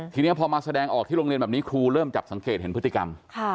ทีนี้พอมาแสดงออกที่โรงเรียนแบบนี้ครูเริ่มจับสังเกตเห็นพฤติกรรม